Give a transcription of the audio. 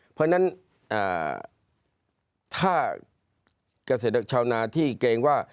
เพราะฉะนั้นถ้าเกษตรชาวนาที่เกรงว่า